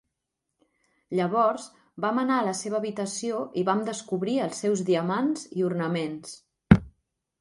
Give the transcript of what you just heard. Llavors vam anar a la seva habitació i vam descobrir els seus diamants i ornaments.